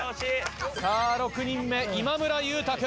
さぁ６人目今村優太君。